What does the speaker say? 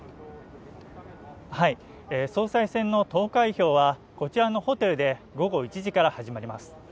総裁選の投開票はこちらのホテルで午後１時から始まります